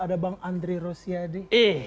ada bang andri rosyadi